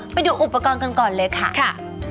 ไปดูอุปกรณ์กันก่อนเลยค่ะ